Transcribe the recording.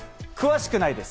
詳しくないです。